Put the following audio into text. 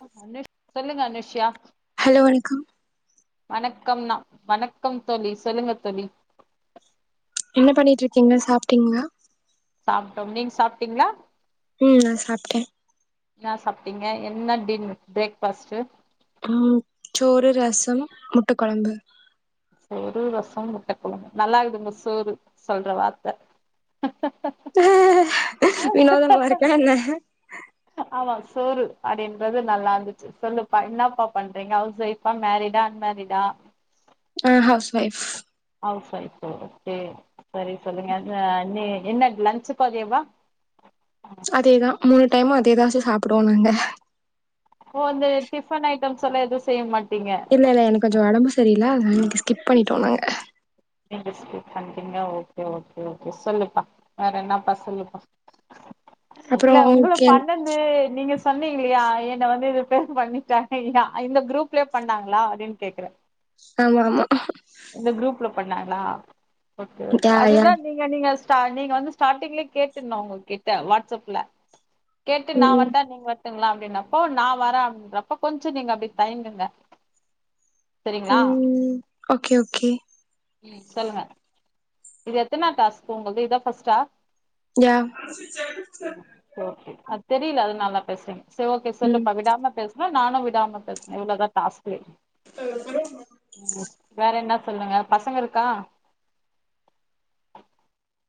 [unintelligible] சொல்லுங்க அனுஷ்யா ஹலோ வணக்கம் வணக்கம் நா வணக்கம் தோழி சொல்லுங்க தோழி என்ன பண்ணிட்ருக்கீங்க சாப்ட்டீங்களா சாப்ட்டோம் நீங்க சாப்ட்டீங்களா உம் நா சாப்ட்டே என்னா சாப்ட்டீங்க என்ன டின் பிரேக்ஃபாஸ்ட்டு உம் சோறு ரசம் முட்ட கொழம்பு சோறு ரசம் முட்ட கொழம்பு நல்லாருக்குது உங்க சோறு சொல்ற வார்த்த ஆஹ் வினோதமா இருக்கா என்ன ஆமா சோறு அப்படின்றது நல்லா இருந்துச்சு சொல்லுப்பா என்னப்பா பண்றீங்க ஹவுஸ்ஒய்ஃபா மேரிடா அன்மேரிடா ஆஹ் housewife housewife okay சரி சொல்லுங்க என்ன நீ என்ன லன்ச்சு பாதியேவா அதேதா மூணு டைமு அதேதா ச சாப் இப்ப வந்து டிபன் ஐ டம்ஸ் எல்லா எதுவு செய்யமாட் இல்ல இல்ல எனக்கு கொஞ்சோ ஒடம்பு சரி [unintelligible] கிப் பண்ணிட்டோ நாங்க கேங்க ஓகே ஓகே சொல்லுப்பா வேற என்னப்பா சொல்லுப்பா அப்றோ இல்ல உங்குளு ஓகே பண்ணது நீங்க ஸ் சொன்னீங்க இல்லையா என்ன வந்து இது பேர் பண்ணிட்டாங்க இல்லயா இந்த குரூப்லயே பண்ணாங்களா அப்டின்னு கேக்குறே ஆமா ஆமா எந்த குரூப்ல பண்ணாங்களா ஓகே ஓகே யா யா அதுதா நீங்க நீங்க டா நீங்க வந்து ஸ்டாட்டிங்லயே கேட்ருனு அவங்க கிட்ட வாட்ஸ்அப்ல கேட்டு நா ம் வர்ட்டா நீங்க வ ங்களா அப்டின்னப்போ நா வரே அப்டின்றப்ப கொஞ்சோ நீங்க அப்டி தயங்குங்க சரிங்களா ம் ஓகே ஓகே ம் சொல்லுங்க இது எத்தனா டாஸ்க் உங்கள்க்கு இதா ஃபஸ்ட்டா யா பேசுறிங் சோ ஓகே ம் சொல்லுப்பா விடாம பேச நானு விடாம பேசுறே இவ்வளோதா டாஸ்க் ஊஹூம் வேற என்ன சொல்லுங்க பசங்க இருக்கா